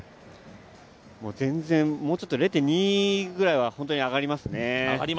全然、もうちょっと０．２ぐらいは上がりますね。